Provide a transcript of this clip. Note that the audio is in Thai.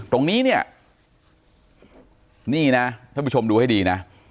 ตรงนี้เนี่ยนี่นะท่านผู้ชมดูให้ดีนะ